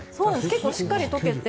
しっかり溶けて